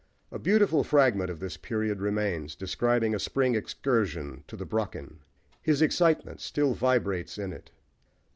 A beautiful fragment of this period remains, describing a spring excursion to the Brocken. His excitement still vibrates in it.